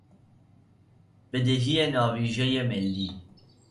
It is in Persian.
بدهی ناویژه ملی